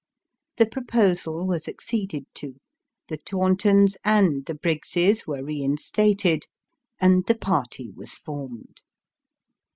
The proposal was acceded to ; the Tauntons and the Briggses were reinstated ; and the party was formed.